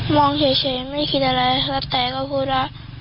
มองเฉยแล้วไม่คิดอะไรรัทแทรก็พูดว่า